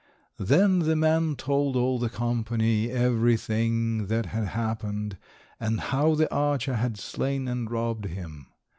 Then the man told all the company everything that had happened, and how the archer had slain and robbed him.